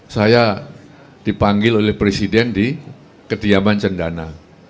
saya dipanggil oleh presiden di kediaman cendana